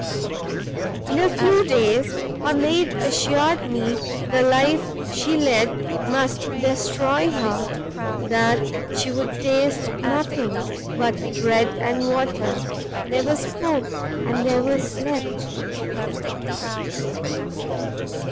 "In a few days her maid assured me the life she led must destroy her; that she would taste nothing but bread and water, never spoke, and never slept.